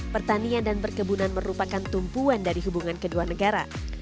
pertanian dan perkebunan merupakan tumpuan dari hubungan kedua negara